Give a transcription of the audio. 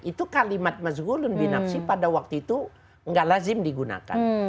itu kalimat pada waktu itu tidak lazim digunakan